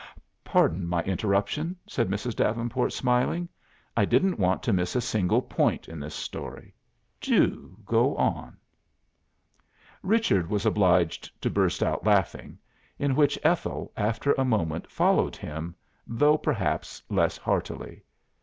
"Pardon my interruption," said Mrs. Davenport, smiling. "I didn't want to miss a single point in this story do go on!" Richard was obliged to burst out laughing, in which Ethel, after a moment, followed him, though perhaps less heartily.